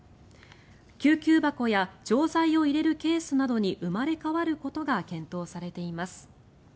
救急箱や錠剤を入れるケースなどに生まれ変わることが検討されています。